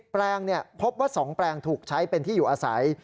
แปลงพบว่า๒แปลงถูกใช้เป็นที่อยู่อาศัย